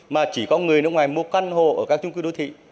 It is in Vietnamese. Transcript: mà chỉ có người nước ngoài mua căn hộ ở các trung cư đô thị